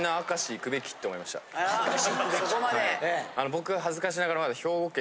僕恥ずかしながら。